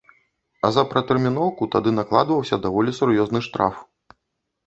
А за пратэрміноўку тады накладваўся даволі сур'ёзны штраф.